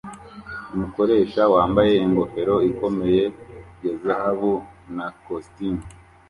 Umukoresha wambaye ingofero ikomeye ya zahabu na kositimu